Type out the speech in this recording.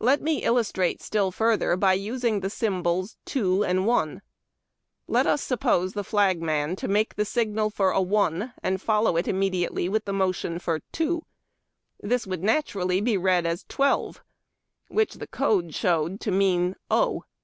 Let me illustrate still further by using the symbols "2" and "1." Let us suppose tlie flagman to make the signal for "1," and follow it immediately with the motion for "2." This would naturally be read as 12, which the code showed to mean O.